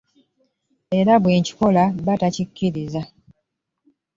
Era bw'akikola, bba takikkiriza.